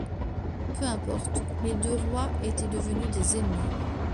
Peu importe, les deux rois étaient devenus des ennemis.